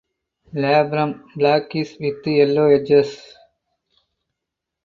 Labrum blackish with yellow edges.